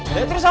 boleh terus apa